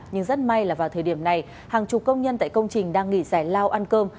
nhưng rất may là vào thời điểm này hàng chục công nhân tại công trình đang nghỉ giải lao ăn cơm